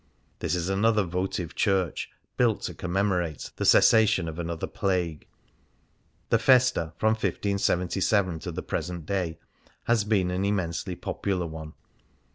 This is another votive church, built to commemorate the cessa tion of another plague. The Jesta^ from 1577 to the present day, has been an immensely popular one.